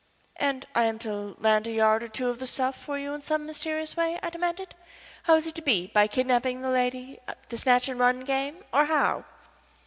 "And I am to land a yard or two of the stuff for you in some mysterious way?" I demanded. "How is it to be by kidnapping the lady, the snatch and run game, or how?"